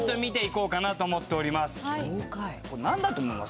何だと思います？